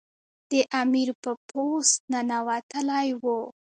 د امیر په پوست ننوتلی وو.